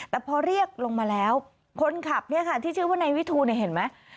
แต่พอเรียกลงมาแล้วคนขับเนี่ยค่ะที่ชื่อว่านายวิทูลเนี่ยเห็นไหม